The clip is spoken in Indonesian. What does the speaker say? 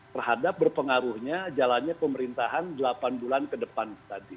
terhadap berpengaruhnya jalannya pemerintahan delapan bulan ke depan tadi